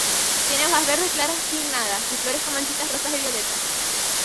Tiene hojas verde claras pinnadas; y flores con manchitas rosas o violetas.